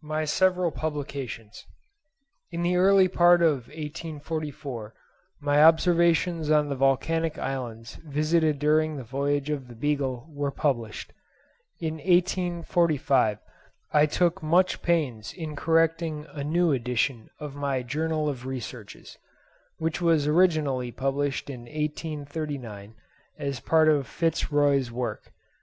MY SEVERAL PUBLICATIONS. In the early part of 1844, my observations on the volcanic islands visited during the voyage of the "Beagle" were published. In 1845, I took much pains in correcting a new edition of my 'Journal of Researches,' which was originally published in 1839 as part of Fitz Roy's work.